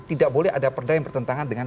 tidak boleh ada perda yang bertentangan dengan